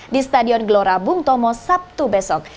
di stadion gelora bung tomo sabtu besok